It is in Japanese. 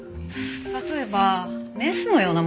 例えばメスのようなものかな？